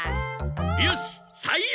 よし採用！